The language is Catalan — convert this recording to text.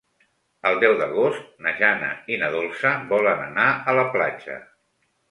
El deu d'agost na Jana i na Dolça volen anar a la platja.